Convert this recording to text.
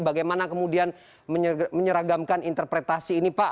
bagaimana kemudian menyeragamkan interpretasi ini pak